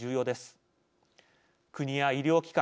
国や医療機関